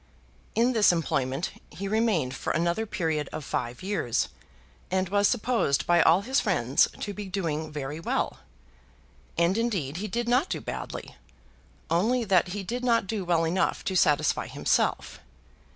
In this employment he remained for another period of five years, and was supposed by all his friends to be doing very well. And indeed he did not do badly, only that he did not do well enough to satisfy himself.